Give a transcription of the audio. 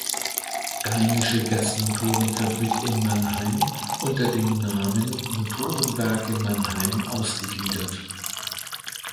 Rheinische Gasmotorenfabrik in Mannheim" unter dem Namen Motorenwerke Mannheim ausgegliedert.